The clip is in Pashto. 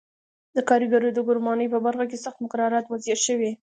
د کارګرو د ګومارنې په برخه کې سخت مقررات وضع شوي.